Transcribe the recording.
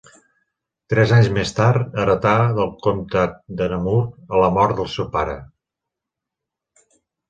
Tres anys més tard, heretà del comtat de Namur a la mort del seu pare.